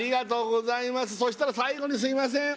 そしたら最後にすいません